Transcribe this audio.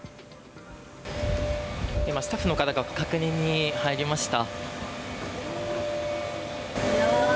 今、スタッフの方が確認に入りました。